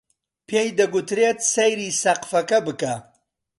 پێی دەگوترێت سەیری سەقفەکە بکە